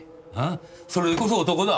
それでこそ男だ。